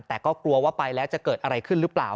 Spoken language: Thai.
แต่ก็กลัวว่าไปแล้วจะเกิดอะไรขึ้นหรือเปล่า